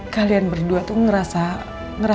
kalian berdua tuh ngerasa